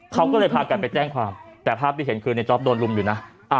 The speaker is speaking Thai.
เขาก็เลยพากันไปแจ้งความแต่ภาพที่เห็นคือในจ๊อปโดนรุมอยู่นะ